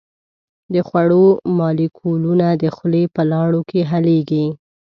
د خوړو مالیکولونه د خولې په لاړو کې حلیږي.